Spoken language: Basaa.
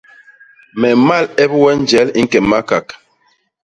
Me mmal ep we njel i ñke Makak.